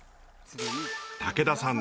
武田さん